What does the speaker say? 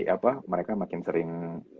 apa mereka makin sering